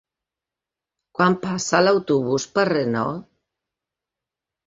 Quan passa l'autobús per Renau?